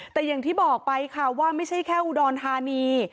แต่อย่างที่บอกไปค่ะว่าไม่ใช่แค่อุดรธานี